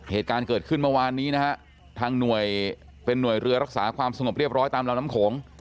เหตุการณ์เกิดขึ้นเมื่อวานนี้นะฮะทางหน่วยเป็นหน่วยเรือรักษาความสงบเรียบร้อยตามลำน้ำโขง